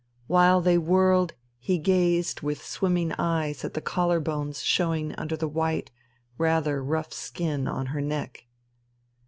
While they whirled he gazed with swimming eyes at the collar bones showing under the white, rather rough skin on her neck.